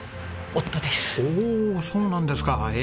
おおそうなんですか。